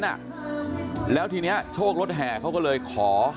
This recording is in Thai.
นะแล้วที่นี้โชว์รถแหแหขอ